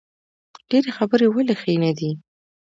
ډیرې خبرې ولې ښې نه دي؟